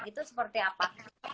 itu seperti apa